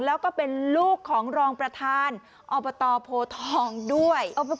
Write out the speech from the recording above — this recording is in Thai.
แล้วก็เป็นลูกของรองประธานอบตโพทองด้วย